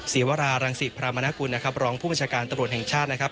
ศวรารังศิพรามนกุลนะครับรองผู้บัญชาการตำรวจแห่งชาตินะครับ